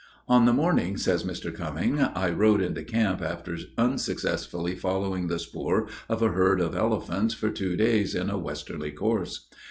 On the morning, says Mr. Cumming, I rode into camp, after unsuccessfully following the spoor of a herd of elephants for two days, in a westerly course.